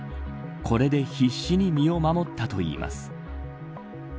これで必死に身を守ったといいます。